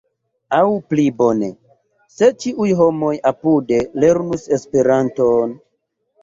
Aŭ pli bone: se ĉiuj homoj apude lernus Esperanton!